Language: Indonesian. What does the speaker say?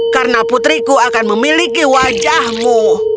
karena putriku akan memiliki wajahmu